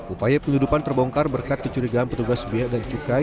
upaya penyeludupan terbongkar berkat kecurigaan petugas biaya dan cukai